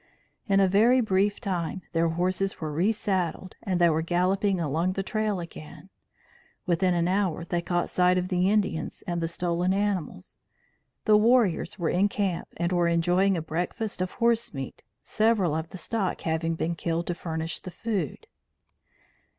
In a very brief time, their horses were resaddled and they were galloping along the trail again. Within an hour, they caught sight of the Indians and the stolen animals. The warriors were in camp and were enjoying a breakfast of horse meat, several of the stock having been killed to furnish the food.